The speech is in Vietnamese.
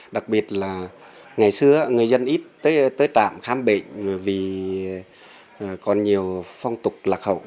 đặc biệt là ngày xưa xã a sang mà đến trạm khám bệnh vì có nhiều phong tục lạc hậu